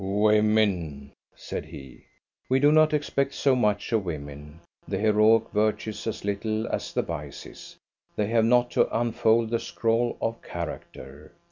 "Women!" said he. We do not expect so much of women; the heroic virtues as little as the vices. They have not to unfold the scroll of character.